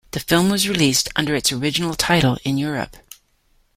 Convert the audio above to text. The film was released under its original title in Europe.